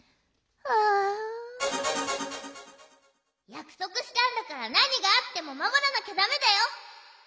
やくそくしたんだからなにがあってもまもらなきゃだめだよ！